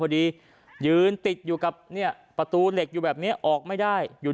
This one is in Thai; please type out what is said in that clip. พอดียืนติดอยู่กับเนี่ยประตูเหล็กอยู่แบบเนี้ยออกไม่ได้อยู่